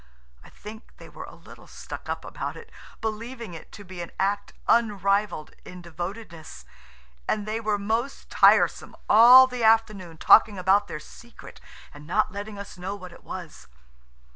I think they were a little stuck up about it, believing it to be an act unrivalled in devotedness, and they were most tiresome all the afternoon, talking about their secret, and not letting us know what it was.